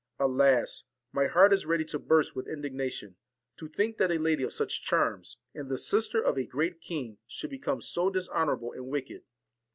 Alasl my heart is ready to burst with indignation, to think that a lady of such charms, and the sister of a great king, should become so dishonourable and wicked.'